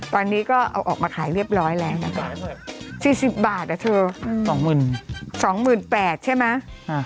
ตอนนี้ก็เอาออกมาขายเรียบร้อยเลยนะคะสี่สิบบาทนะเธอสองแม่นสองแม่นแปดใช่มั้ย